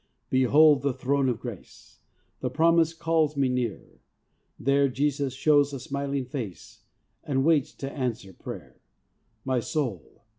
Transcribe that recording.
Behold the throne of grace ! The promise calls me near ; There Jesus shows a smiling face, And waits to answer prayer. My soul